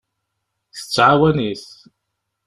Tettɛawan-it.